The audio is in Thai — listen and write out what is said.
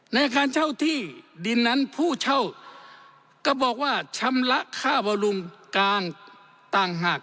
อาคารเช่าที่ดินนั้นผู้เช่าก็บอกว่าชำระค่าบำรุงกลางต่างหาก